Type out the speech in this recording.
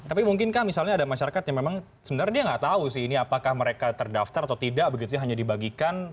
tapi mungkinkah misalnya ada masyarakat yang memang sebenarnya dia nggak tahu sih ini apakah mereka terdaftar atau tidak begitu ya hanya dibagikan